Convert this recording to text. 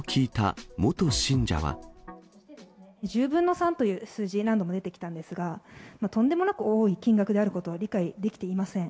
１０分の３という数字、何度も出てきたんですが、とんでもなく多い金額であることは理解できていません。